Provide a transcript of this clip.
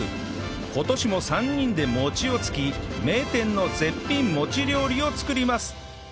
今年も３人で餅をつき名店の絶品餅料理を作ります